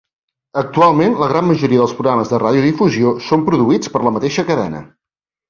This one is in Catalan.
Actualment, la gran majoria dels programes de radiodifusió són produïts per la mateixa cadena.